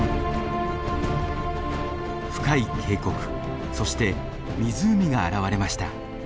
深い渓谷そして湖が現れました。